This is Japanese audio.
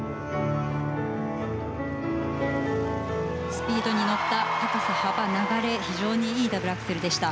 スピードに乗った高さ、幅、流れ非常にいいダブルアクセルでした。